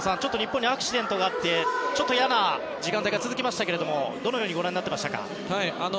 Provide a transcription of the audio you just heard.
日本にアクシデントがあって嫌な時間帯になりましたがどのようにご覧になっていますか？